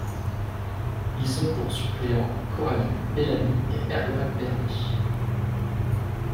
Ils ont pour suppléants Coralie Belamy et Erwann Bernet.